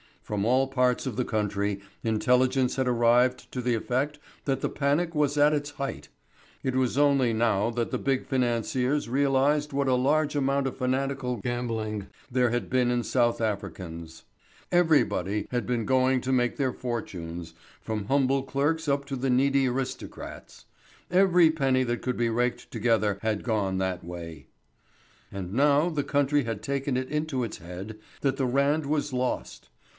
From all parts of the country intelligence had arrived to the effect that the panic was at its height. It was only now that the big financiers realised what a large amount of fanatical gambling there had been in South Africans. Everybody had been going to make their fortunes, from humble clerks up to the needy aristocrats. Every penny that could be raked together had gone that way. And now the country had taken it into its head that the Rand was lost.